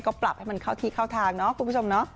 ก็ปรับให้มันเข้าที่เข้าทางเนาะคุณผู้ชมเนาะ